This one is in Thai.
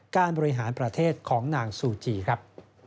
การบริหารประเทศของนางซูจีครับ